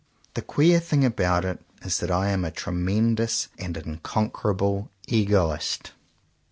The queer thing about it is that I am a tremendous and unconquerable egoist.